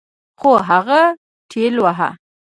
خو هغه ټېلوهه.